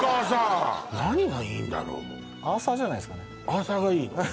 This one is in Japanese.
アーサがいいの？